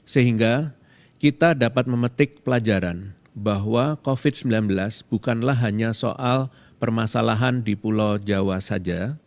sehingga kita dapat memetik pelajaran bahwa covid sembilan belas bukanlah hanya soal permasalahan di pulau jawa saja